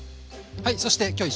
はい。